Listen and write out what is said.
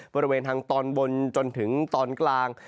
บริเวณทางตอนบนจนถึงตอนกลาง